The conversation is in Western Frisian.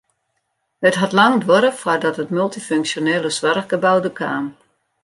It hat lang duorre foardat it multyfunksjonele soarchgebou der kaam.